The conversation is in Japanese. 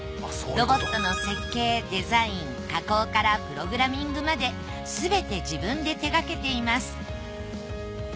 ロボットの設計デザイン加工からプログラミングまですべて自分で手がけています。